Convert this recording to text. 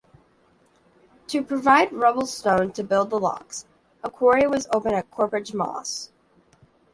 To provide rubble-stone to build the locks, a quarry was opened at Corpach Moss.